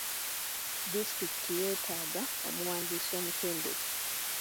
Disitulikiti yeetaaga omuwandiisi omutendeke.